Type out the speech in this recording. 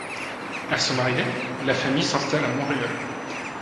À son arrivée, la famille s'installe à Montréal.